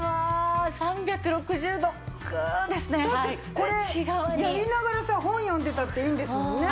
これやりながらさ本読んでたっていいんですもんね。